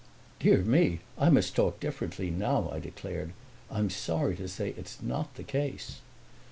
"Dear me, I must talk differently now," I declared. "I'm sorry to say it's not the case."